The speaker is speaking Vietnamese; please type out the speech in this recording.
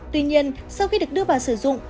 tuy nhiên sau khi được đưa vào sử dụng